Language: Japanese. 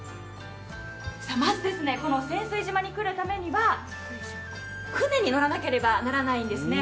まず、仙酔島に来るためには船に乗らなければならないんですね。